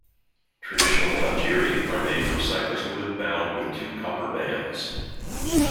Traditional "hangiri" are made from cypress wood bound with two copper bands.